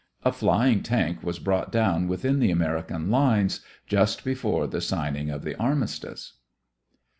A flying tank was brought down within the American lines just before the signing of the armistice.